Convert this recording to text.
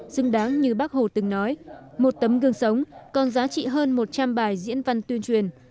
xứng đáng như bác hồ từng nói một tấm gương sống còn giá trị hơn một trăm linh bài diễn văn tuyên truyền